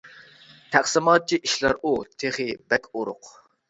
تەقسىماتچى، ئىشلەر ئۇ، تېخى بەك ئورۇق.